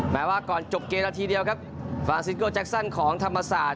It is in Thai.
แม้ว่าก่อนจบเกมนาทีเดียวครับฟราซิโก้แจ็คซันของธรรมศาสตร์